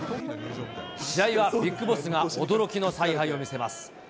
試合はビッグボスが驚きの采配を見せます。